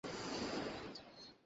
এর মানে তুই স্থায়ীভাবে বাঁধা পড়লি।